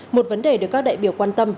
một vấn đề được các đại biểu quan tâm